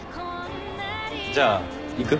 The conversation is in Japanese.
じゃあ行く？